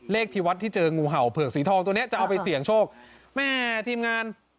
ที่วัดที่เจองูเห่าเผือกสีทองตัวเนี้ยจะเอาไปเสี่ยงโชคแม่ทีมงาน